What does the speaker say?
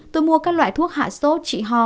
tôi mua các loại thuốc hạ sốt trị ho